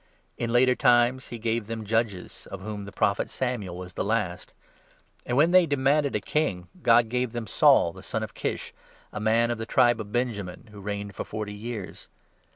In later times he gave 20 them Judges, of whom the Prophet Samuel was the last. And, 21 when they demanded a king, God gave them Saul the son of Kish, a man of the tribe of Benjamin, who reigned for forty years.